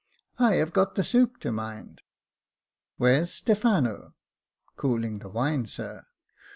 " I have got the soup to mind." "Where's Stephano?" "Cooling the wine, sir."